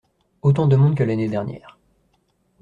Autant de monde que l’année dernière.